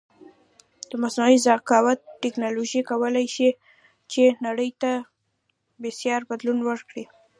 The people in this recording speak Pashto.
د مصنوعې زکاوت ټکنالوژی کولی شې چې نړی ته بیساری بدلون ورکړې